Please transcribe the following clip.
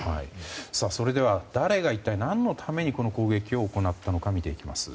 それでは誰が一体何のためにこの攻撃を行ったのか見ていきます。